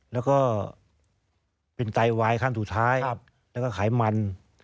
แล้วก็เป็นไตวายขั้นสุดท้ายแล้วก็ไขมัน